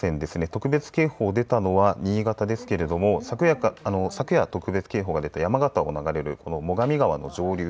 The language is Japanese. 特別警報が出たのは新潟ですけれども昨夜、特別警報が出た山形を流れるこの最上川の上流